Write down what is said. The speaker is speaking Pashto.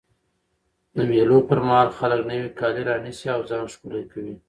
د مېلو پر مهال خلک نوی کالي رانيسي او ځان ښکلی کوي.